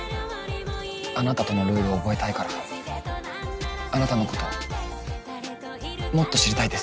あなたとのルール覚えたいからあなたのこともっと知りたいです。